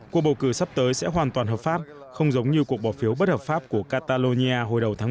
cuộc bầu cử sắp tới sẽ hoàn toàn hợp pháp không giống như cuộc bỏ phiếu bất hợp pháp của catalonia hồi đầu tháng năm